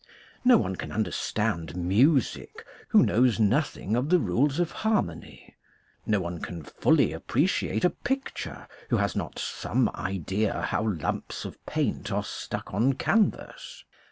No one can under stand music, who knows nothing of the rules of harmony; no one can fully appreciate a picture, who has not some idea how lumps of paint are stuck on canvas.